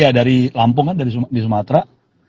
ya dari lampung kan dari sumatera